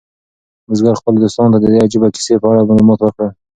بزګر خپلو دوستانو ته د دې عجیبه کیسې په اړه معلومات ورکړل.